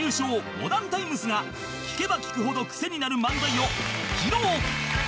モダンタイムスが聞けば聞くほど癖になる漫才を披露